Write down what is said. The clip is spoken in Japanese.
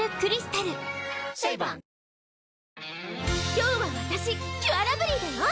今日はわたしキュアラブリーだよ！